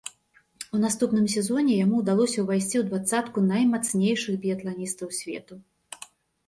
У наступным сезоне яму ўдалося ўвайсці ў дваццатку наймацнейшых біятланістаў свету.